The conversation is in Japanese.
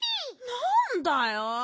なんだよ。